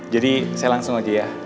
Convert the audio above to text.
jadi saya langsung aja ya